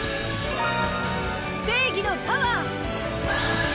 正義のパワー！